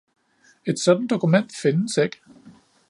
Et sådant dokument findes ikke!